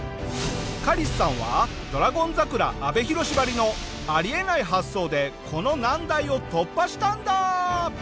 カリスさんは『ドラゴン桜』阿部寛バリのあり得ない発想でこの難題を突破したんだ！